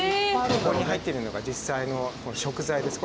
ここに入ってるのが実際の食材です。